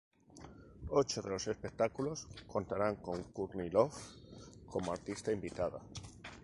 Ocho de los espectáculos contarán con Courtney Love como artista invitada.